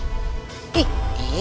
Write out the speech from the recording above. sasi tau sih